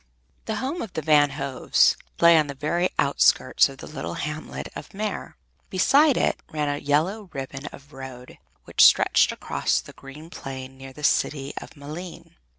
The home of the Van Hoves lay on the very outskirts of the little hamlet of Meer. Beside it ran a yellow ribbon of road which stretched across the green plain clear to the city of Malines.